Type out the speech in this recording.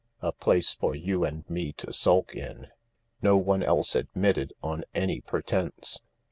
" A place for you and me to sulk in. No one else admitted on any pretence."